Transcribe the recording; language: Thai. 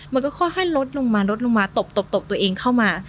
มันก็ค่อยลดลงมาลดลงมาตบตบตัวเองเข้ามา